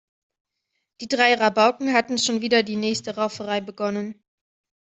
Die drei Rabauken hatten schon wieder die nächste Rauferei begonnen.